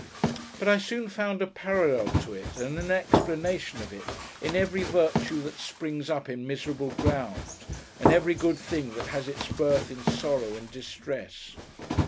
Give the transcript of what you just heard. But I soon found a parallel to it, and an explanation of it, in every virtue that springs up in miserable ground, and every good thing that has its birth in sorrow and distress.